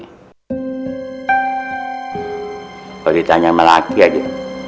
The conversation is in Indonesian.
kalau ditanya sama laki aja